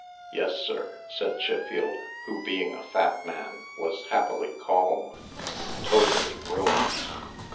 "Yes, sir," said Chiffield, who, being a fat man, was happily calm; "totally ruined."